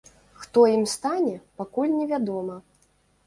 Хто ім стане, пакуль невядома.